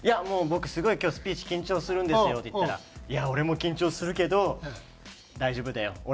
「もう僕すごい今日スピーチ緊張するんですよ」って言ったら「いや俺も緊張するけど大丈夫だよ」。